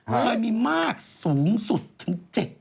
เคยมีมากสูงสุดถึง๗๐